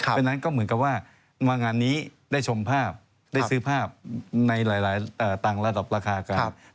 เพราะฉะนั้นก็เหมือนกับว่ามางานนี้ได้ชมภาพได้ซื้อภาพในหลายต่างระดับราคากัน